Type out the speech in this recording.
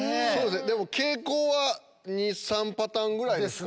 でも傾向は２３パターンぐらいですか。